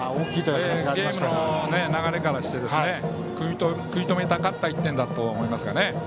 ゲームの流れからして食い止めたかった１点だと思います。